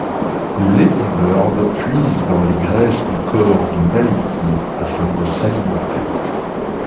Ladybird puise dans les graisses du corps de Maliki afin de s'alimenter.